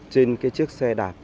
trên cái chiếc xe đạp